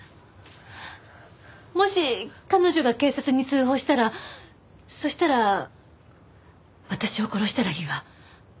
もし彼女が警察に通報したらそしたら私を殺したらいいわ。